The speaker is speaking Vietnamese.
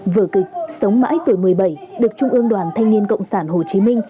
vở kịch sống mãi tuổi một mươi bảy được trung ương đoàn thanh niên cộng sản hồ chí minh